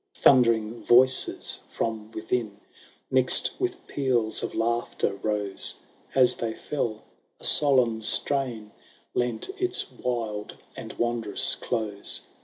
Thundering voices from within, Mixed with peals of laughter, rose ; As they fell, a solemn strain Lent its wild and wondrous close